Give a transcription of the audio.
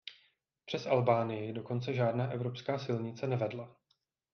Přes Albánii dokonce žádná evropská silnice nevedla.